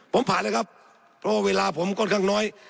ผมผ่านเลยครับเพราะว่าเวลาผมค่อนข้างน้อย